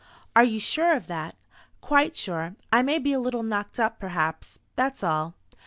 "Are you sure of that?" "Quite sure. I may be a little knocked up perhaps; that's all."